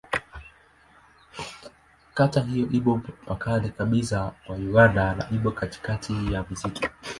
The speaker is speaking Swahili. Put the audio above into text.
Kata hii ipo mpakani kabisa mwa Uganda na ipo katikati ya msitu.